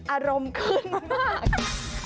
อารมณ์ขึ้นมาก